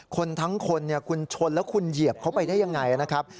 คนทั้งคนคุณชนแล้วคุณเหยียบเขาไปได้ยังไงนะครับ